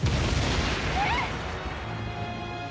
えっ！？